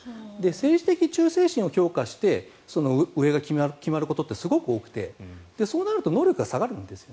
政治的忠誠心を評価して上が決まることってすごく多くてそうなると能力が下がるんです。